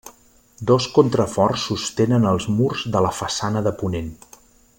Dos contraforts sostenen els murs de la façana de ponent.